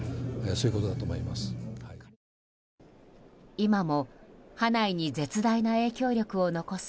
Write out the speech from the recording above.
今も派内に絶大な影響力を残す